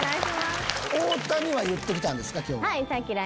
太田には言ってきたんですか？